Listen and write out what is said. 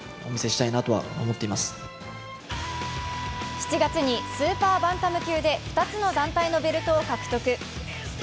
７月にスーパーバンタム級で２つの団体のベルトを獲得。